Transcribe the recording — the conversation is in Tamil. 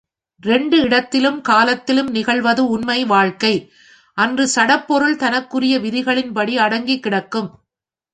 இரண்டு இடத்திலும் காலத்திலும் நிகழ்வது உண்மை வாழ்க்கை அன்று சடப் பொருள் தனக்குரிய விதிகளின்படி அடங்கிக் கிடக்கும்.